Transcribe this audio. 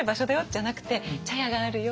じゃなくて「茶屋があるよ。